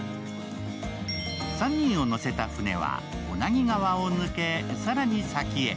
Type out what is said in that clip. ３人を乗せた船は小名木川を抜け、さらに先へ。